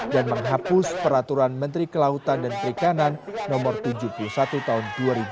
dan menghapus peraturan menteri kelautan dan perikanan no tujuh puluh satu tahun dua ribu enam belas